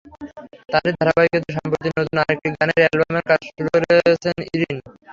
তাঁরই ধারাবাহিকতায় সম্প্রতি নতুন আরেকটি গানের অ্যালবামের কাজ শুরু করেছেন ইরিন।